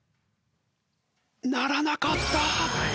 鳴らなかった！